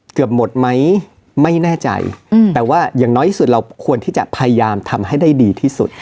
เกือบหมดไหมไม่แน่ใจแต่ว่าอย่างน้อยที่สุดเราควรที่จะพยายามทำให้ได้ดีที่สุด